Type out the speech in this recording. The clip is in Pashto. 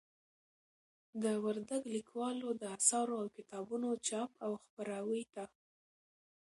د وردگ ليكوالو د آثارو او كتابونو چاپ او خپراوي ته